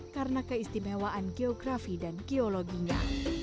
karena keistimewaan geografi dan geologinya